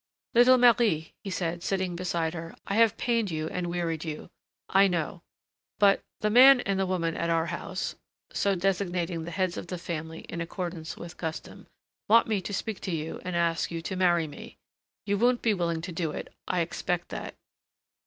"Little Marie," he said, sitting beside her, "I have pained you and wearied you, I know; but the man and the woman at our house" so designating the heads of the family in accordance with custom "want me to speak to you and ask you to marry me. You won't be willing to do it, I expect that."